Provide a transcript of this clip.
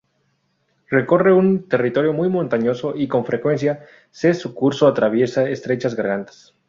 Recorre un territorio muy montañoso y con frecuencia se su curso atraviesa estrechas gargantas.